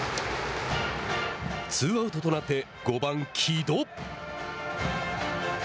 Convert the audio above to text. ツーアウトとなって５番城戸。